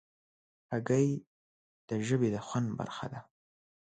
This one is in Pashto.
هګۍ د ژبې د خوند برخه ده.